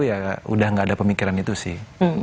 ya udah gak ada pemikiran itu sih